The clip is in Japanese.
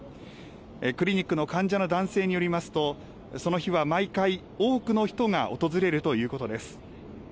クリニックの患者の男性によりますと、その日は毎回、多くの人が訪れるということです。